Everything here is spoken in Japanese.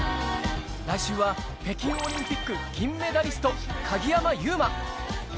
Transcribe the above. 来週は北京オリンピック銀メダリスト、鍵山優真。